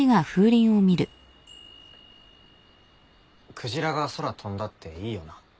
クジラが空飛んだっていいよな。